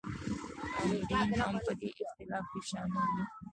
آمرین هم په دې اختلاف کې شامل وي.